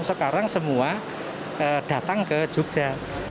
sekarang semua datang ke jogja